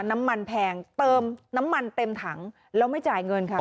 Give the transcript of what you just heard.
น้ำมันแพงเติมน้ำมันเต็มถังแล้วไม่จ่ายเงินค่ะ